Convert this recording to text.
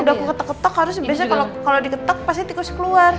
udah aku ketuk ketuk harus biasanya kalau diketuk pasti tikusnya keluar